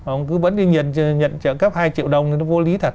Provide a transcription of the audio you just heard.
ông cứ vẫn đi nhận trợ cấp hai triệu đồng thì nó vô lý thật